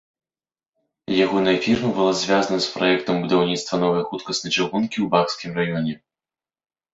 Ягоная фірма была звязана з праектам будаўніцтва новай хуткаснай чыгункі ў баскскім рэгіёне.